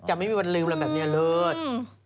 ไม่มีวันลืมอะไรแบบนี้เลิศ